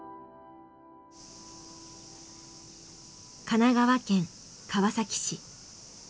神奈川県川崎市。